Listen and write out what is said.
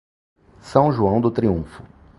São João do Triunfo